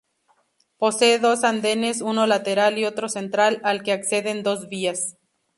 Posee dos andenes, uno lateral y otro central al que acceden dos vías.